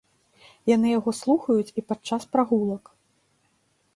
Яны яго слухаюць і падчас прагулак.